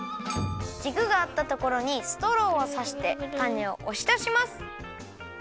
じくがあったところにストローをさしてたねをおしだします。